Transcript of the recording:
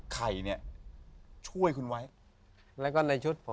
ไข่เนี่ยช่วยคุณไว้